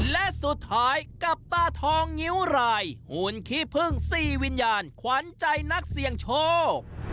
และสุดท้ายกับตาทองงิ้วรายหุ่นขี้พึ่ง๔วิญญาณขวัญใจนักเสี่ยงโชค